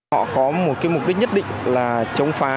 họ có một mục đích nhất định là chống phá